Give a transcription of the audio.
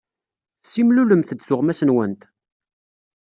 Tessimlulemt-d tuɣmas-nwent?